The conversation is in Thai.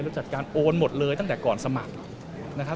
เราจัดการโอนหมดเลยตั้งแต่ก่อนสมัคร